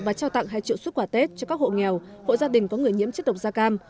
và trao tặng hai triệu xuất quả tết cho các hộ nghèo hộ gia đình có người nhiễm chất độc da cam